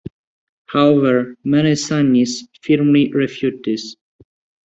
However, many Sunnis firmly refute this.